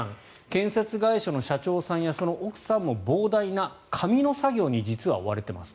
建設会社の社長さんやその奥さんも、膨大な紙の作業に実は追われています。